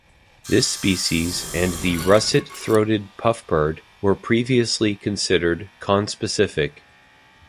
This species and the russet-throated puffbird were previously considered conspecific.